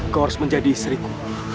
kau harus menjadi istriku